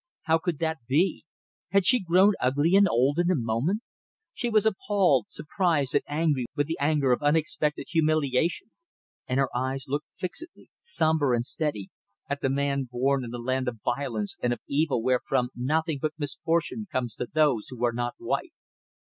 How could that be? Had she grown ugly or old in a moment? She was appalled, surprised and angry with the anger of unexpected humiliation; and her eyes looked fixedly, sombre and steady, at that man born in the land of violence and of evil wherefrom nothing but misfortune comes to those who are not white.